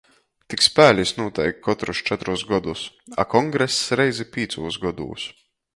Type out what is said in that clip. Tik spēlis nūteik kotrus četrus godus, a kongress reizi pīcūs godūs.